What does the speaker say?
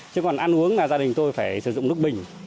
chứ còn ăn uống là gia đình tôi phải sử dụng nước bình